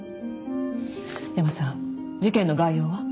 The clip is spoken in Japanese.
山さん事件の概要は？